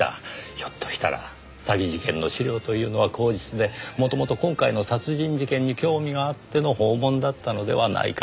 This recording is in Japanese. ひょっとしたら詐欺事件の資料というのは口実で元々今回の殺人事件に興味があっての訪問だったのではないかと。